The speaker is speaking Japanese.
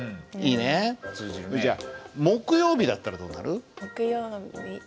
じゃ木曜日だったらどうなる？